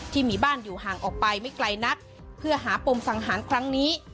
ที่มีบ้านอยู่ห่างออกไปไม่ไกลนักเพื่อหาปมสังหารครั้งนี้